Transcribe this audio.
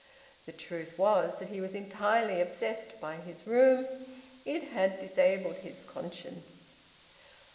The truth was that he was entirely obsessed by his room; it had disabled his conscience.